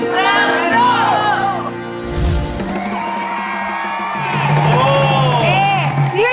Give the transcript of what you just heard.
พร้อมทัพ